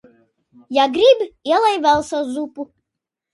Ja grib ielej vēl sev zupu!